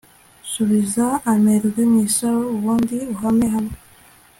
subiza amerwe mwisaho ubundi uhame hamwe